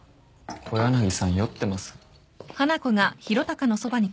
小柳さん酔ってます？